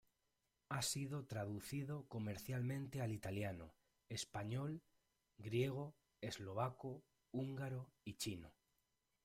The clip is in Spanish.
Ha sido traducido comercialmente al italiano, español, griego, eslovaco, húngaro y chino.